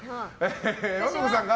和歌子さんが？